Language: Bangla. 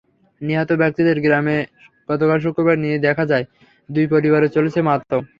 নিহত ব্যক্তিদের গ্রামে গতকাল শুক্রবার গিয়ে দেখা যায়, দুই পরিবারে চলছে মাতম।